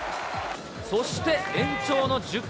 そして延長の１０回。